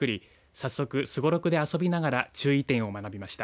早速、すごろくで遊びながら注意点を学びました。